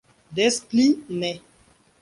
Des pli ne!